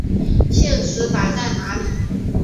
现实摆在哪里！